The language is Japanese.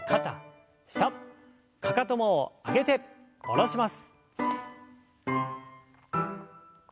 かかとも上げて下ろします。